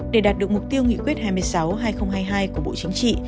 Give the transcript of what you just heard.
để đạt được mục tiêu nghị quyết hai mươi sáu hai nghìn hai mươi hai của bộ chính trị